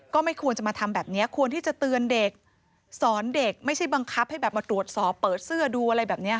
ก็ไม่ควรจะมาทำแบบนี้ควรที่จะเตือนเด็กสอนเด็กไม่ใช่บังคับให้แบบมาตรวจสอบเปิดเสื้อดูอะไรแบบนี้